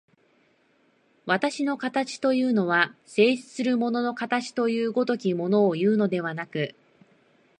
私の形というのは、静止する物の形という如きものをいうのでなく、